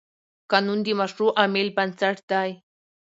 قانون د مشروع عمل بنسټ دی.